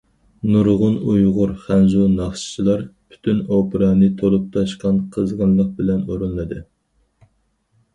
نۇرغۇن ئۇيغۇر، خەنزۇ ناخشىچىلار پۈتۈن ئوپېرانى تولۇپ- تاشقان قىزغىنلىق بىلەن ئورۇنلىدى.